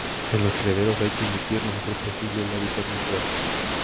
En los criaderos hay que imitar lo mejor posible el hábitat natural.